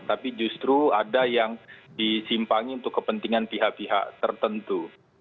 tapi justru ada yang disimpangi untuk kepentingan pihak pihak tertentu